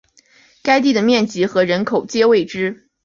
该地的面积和人口皆未知。